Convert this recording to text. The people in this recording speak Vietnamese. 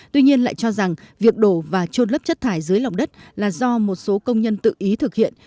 tuy nhiên lại cho rằng việc đổ và trôn lấp chất thải dưới lòng đất là do một số công nhân tự ý thực hiện